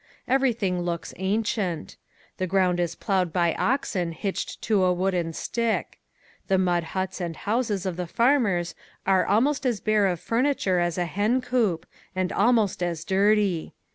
Everything looks ancient. The ground is plowed by oxen hitched to a wooden stick. The mud huts and houses of the farmers are almost as bare of furniture as a hen coop and almost as dirty.